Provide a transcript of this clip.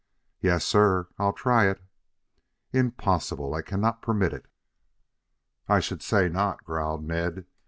"Yes, sir; I'll try it." "Impossible. I cannot permit it." "I should say not," growled Ned.